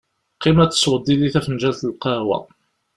Qqim ad tesweḍ yid-i tafenǧalt n lqahwa.